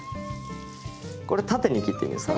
これ縦に切っていいんですか？